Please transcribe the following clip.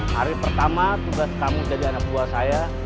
hari pertama tugas kamu jadi anak buah saya